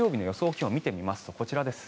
気温を見てみますとこちらです。